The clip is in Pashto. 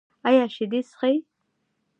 ایا شیدې څښئ؟